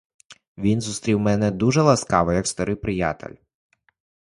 Він зустрів мене дуже ласкаво, як старий приятель.